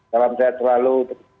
salam sehat selalu